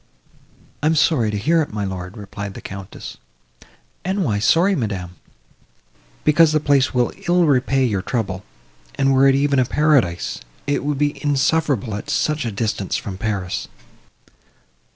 "I am sorry to hear it, my lord," replied the Countess. "And why sorry, madam?" "Because the place will ill repay your trouble; and were it even a paradise, it would be insufferable at such a distance from Paris."